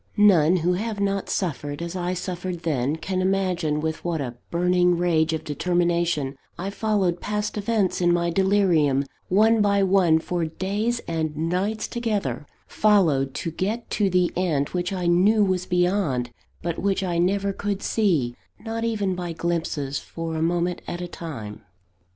None who have not suffered as I suffered then, can imagine with what a burning rage of determination I followed past events in my delirium, one by one, for days and nights together, followed, to get to the end which I knew was beyond, but which I never could see, not even by glimpses, for a moment at a time.